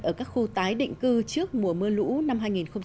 ở các khu tái định cư trước mùa mưa lũ năm hai nghìn một mươi tám